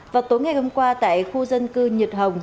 vào tối ngày hôm qua tại khu dân cư nhật hồng